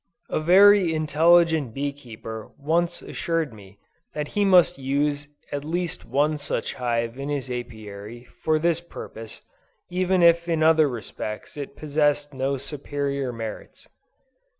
A very intelligent bee keeper once assured me, that he must use at least one such hive in his Apiary, for this purpose, even if in other respects it possessed no superior merits.